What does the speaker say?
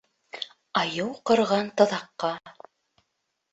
Айыу ҡорған тоҙаҡҡа.